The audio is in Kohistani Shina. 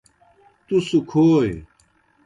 تُس کھوئے۔